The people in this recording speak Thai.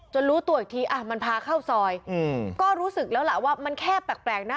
รู้ตัวอีกทีอ่ะมันพาเข้าซอยก็รู้สึกแล้วล่ะว่ามันแค่แปลกนะ